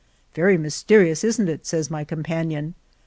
Very mysterious, isn't it?" says my companion.